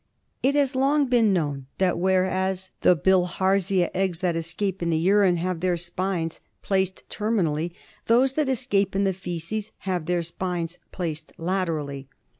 It has long been known that whereas the Bilharzia eggs that escape in the urine have their spines placed BILHARZIOSIS. 55 terminally, those that escape in the faeces have their spines placed laterally.